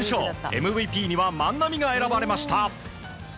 ＭＶＰには万波が選ばれました。